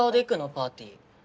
パーティー。